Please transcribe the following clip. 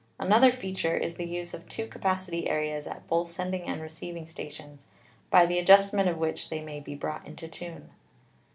Another feature is the use of two capacity areas at both sending and receiv 328 ELECTRICITY ing stations, by the adjustment of which they may be brought into tune.